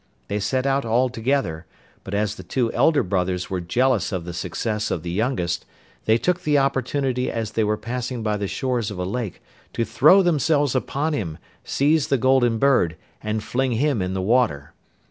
They set out all together, but as the two elder brothers were jealous of the success of the youngest, they took the opportunity as they were passing by the shores of a lake to throw themselves upon him, seize the Golden Bird, and fling him in the water.